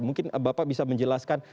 mungkin bapak bisa menjelaskan